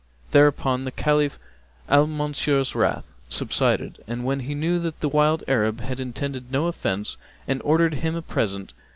Thereupon the Caliph Al Mansur's wrath subsided and he knew that the wild Arab had intended no offence and ordered him a present.